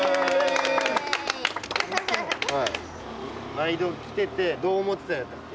毎度来ててどう思ってたんやったっけ？